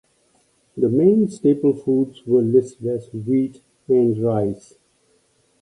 The main staple foods were listed as wheat and rice.